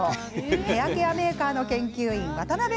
ヘアケアメーカーの研究員渡邉